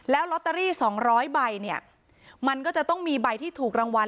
แล้วลอตเตอรี่๒๐๐ใบเนี่ยมันก็จะต้องมีใบที่ถูกรางวัล